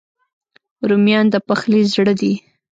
رومیان د پخلي زړه دي